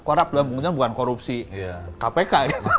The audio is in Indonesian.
corrupt dalam penggunaan bukan korupsi kpk